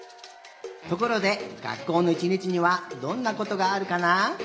ところでがっこうのいちにちにはどんなことがあるかな？